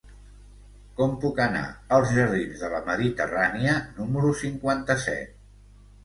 Com puc anar als jardins de la Mediterrània número cinquanta-set?